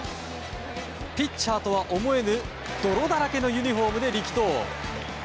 ピッチャーとは思えぬ泥だらけのユニホームで力投。